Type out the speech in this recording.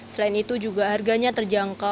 selain itu juga harganya terjangkau